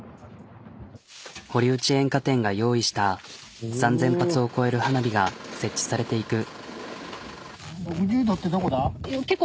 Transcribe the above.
堀内煙火店が用意した３、０００発を超える花火が設置されていく。